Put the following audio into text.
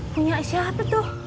punya siapa tuh